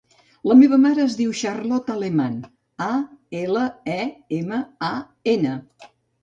La meva mare es diu Charlotte Aleman: a, ela, e, ema, a, ena.